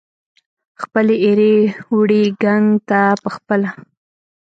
خپلې ایرې وړي ګنګ ته پخپله